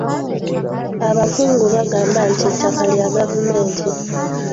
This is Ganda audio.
Abakungu bagamba nti ettaka lya gavumenti.